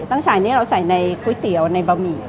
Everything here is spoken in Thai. ฉายนี้เราใส่ในก๋วยเตี๋ยวในบะหมี่